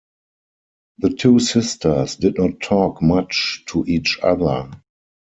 The two sisters did not talk much to each other.